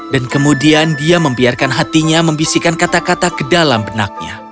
dan kemudian dia membiarkan hatinya membisikkan kata kata ke dalam benaknya